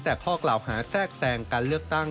แต่ข้อกล่าวหาแทรกแทรงการเลือกตั้ง